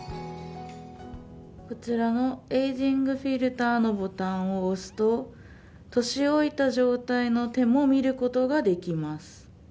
こちらのエイジングフィルターのボタンを押すと年老いた状態の手も見ることができます。